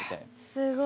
すごい！